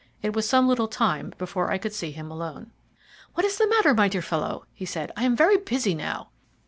It was some little time before I could see him alone. "What is the matter, my dear fellow?" he said. "I am very busy now."